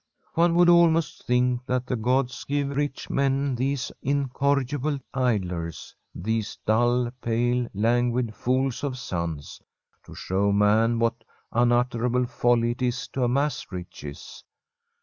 One would almost think that the gods give rich men these incorrigible idlers, these dull, pale, lan guid fools of sons, to show man what unutterable folly it is to amass riches.